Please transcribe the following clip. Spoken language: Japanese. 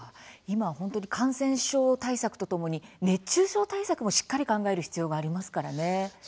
今、本当に感染症対策とともに熱中症対策もしっかり考える必要がありますからね。